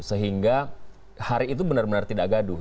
sehingga hari itu benar benar tidak gaduh